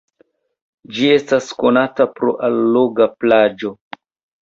Ĝi estas konata pro alloga plaĝo.